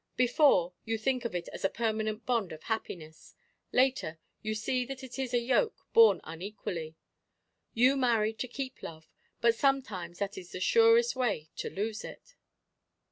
Before, you think of it as a permanent bond of happiness; later, you see that it is a yoke, borne unequally. You marry to keep love, but sometimes that is the surest way to lose it.